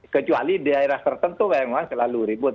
kecuali daerah tertentu memang selalu ribut